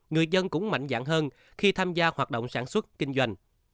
người dân cũng mạnh dạng hơn khi tham gia hoạt động sản xuất kinh doanh